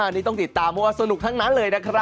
นี่ต้องติดตามสะดวกทั้งนั้นเลยนะครับ